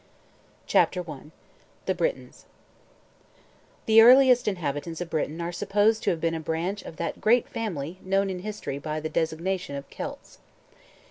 CHAPTER I THE BRITONS The earliest inhabitants of Britain are supposed to have been a branch of that great family known in history by the designation of Celts.